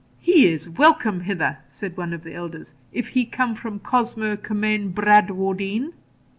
'He is welcome hither,' said one of the elders, 'if he come from Cosmo Comyne Bradwardine.'